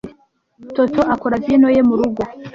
Toto akora vino ye murugo.